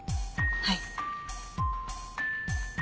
はい。